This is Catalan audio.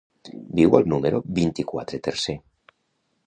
Viu al número vint-i-quatre tercer.